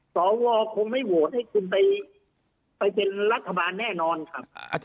สวคงไม่โหวตให้คุณไปเป็นรัฐบาลแน่นอนครับ